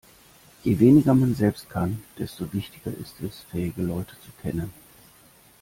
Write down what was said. Je weniger man selbst kann, desto wichtiger ist es, fähige Leute zu kennen.